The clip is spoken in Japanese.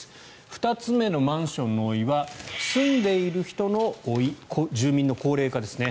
２つ目のマンションの老いは住んでいる人の老い住民の高齢化ですね。